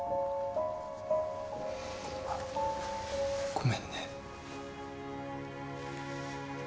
ごめんね。